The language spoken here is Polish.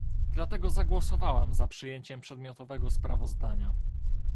Dlatego zagłosowałam za przyjęciem przedmiotowego sprawozdania